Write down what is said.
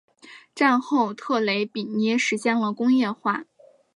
战后特雷比涅实现了工业化。